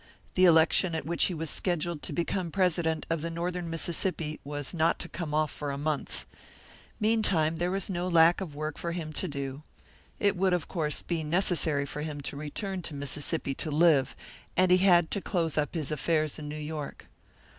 The election at which he was scheduled to become president of the Northern Mississippi was not to come off for a month. Meantime there was no lack of work for him to do. It would, of course, be necessary for him to return to Mississippi to live, and he had to close up his affairs in New York.